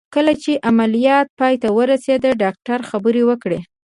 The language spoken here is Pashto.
کله چې عمليات پای ته ورسېد ډاکتر خبرې وکړې.